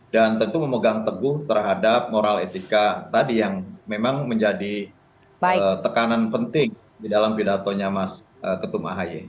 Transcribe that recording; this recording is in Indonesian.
dan tentu memegang teguh terhadap moral etika tadi yang memang menjadi tekanan penting di dalam pidatonya mas ketum ahy